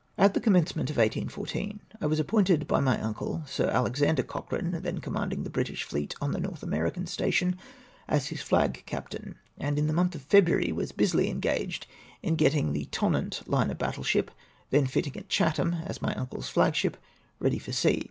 At the commencement of 1814 I was appointed by my uncle, Sir Alexander Cochrane, then commanding the British Heet on the North American station, as his Hag cap tain ; and in the month of February was busily engaged in getting the Tonnant hne of battle ship, then fitting at Chatham as my imcle's flag ship, ready for sea.